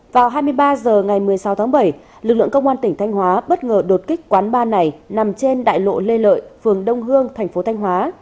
vào hai mươi ba h ngày một mươi sáu tháng bảy lực lượng công an tỉnh thanh hóa bất ngờ đột kích quán ba này nằm trên đại lộ lê lợi phường đông hương thành phố thanh hóa